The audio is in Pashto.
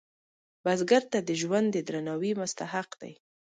بزګر ته د ژوند د درناوي مستحق دی